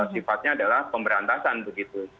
sifatnya adalah pemberantasan begitu